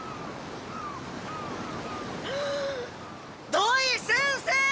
土井先生！